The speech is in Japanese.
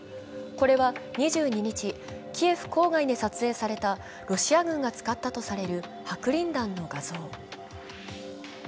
これは２２日、キエフ郊外で撮影されたロシア軍が使ったとされる白リン弾の画像。